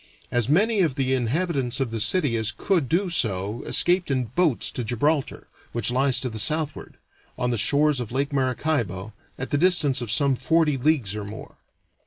As many of the inhabitants of the city as could do so escaped in boats to Gibraltar, which lies to the southward, on the shores of Lake Maracaibo, at the distance of some forty leagues or more.